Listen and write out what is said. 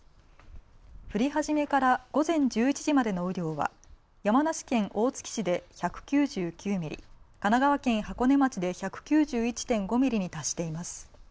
降り始めから午前１１時までの雨量は山梨県大月市で１９９ミリ、神奈川県箱根町で１９１．５ミリに達しています。